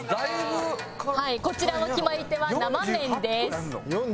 「こちらの決まり手はなまめんです」